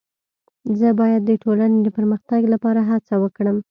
زه باید د ټولني د پرمختګ لپاره هڅه وکړم.